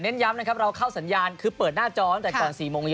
ย้ำนะครับเราเข้าสัญญาณคือเปิดหน้าจอตั้งแต่ก่อน๔โมงเย็น